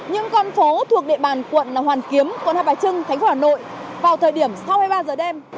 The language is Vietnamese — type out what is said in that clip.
những con phố thuộc địa bàn quận hoàn kiếm quận hà bài trưng thành phố hà nội vào thời điểm sau hai mươi ba h đêm